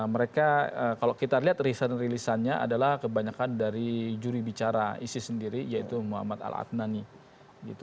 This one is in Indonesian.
mereka kalau kita lihat rilisannya adalah kebanyakan dari juri bicara isi sendiri yaitu muhammad al atnani